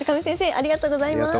ありがとうございます。